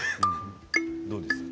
どうですか？